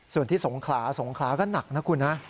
ส่วนที่สงขลาสงขลาก็หนักนะคุณนะ